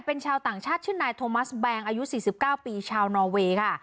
เป็นชาวต่างชาติชื่อนายโทมัสแบงอายุ๔๙ปีชาวนอเวย์ค่ะ